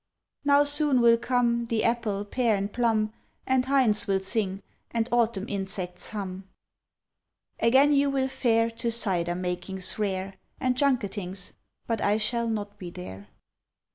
Now soon will come The apple, pear, and plum And hinds will sing, and autumn insects hum. Again you will fare To cider makings rare, And junketings; but I shall not be there.